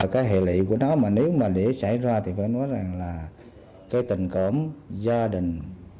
cái hệ lị của nó mà nếu mà để xảy ra thì phải nói rằng là cái tình cổng gia đình